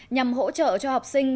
nhằm hỗ trợ cho học sinh